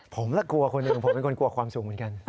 ผมละกลัวคนหนึ่งผมเป็นคนกลัวความสูงเหมือนกัน